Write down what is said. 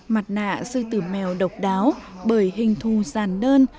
mặt nạ sư tử mèo độc đáo bởi hình thù dàn nơn